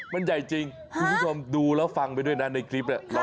มันใหญ่จริงคุณผู้ชมดูแล้วฟังไปด้วยนะในคลิปเนี่ย